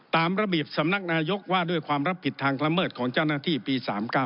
ตามระเบียบสำนักนายกว่าด้วยความรับผิดทางละเมิดของเจ้าหน้าที่ปี๓๙